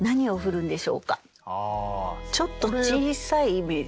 ちょっと小さいイメージ。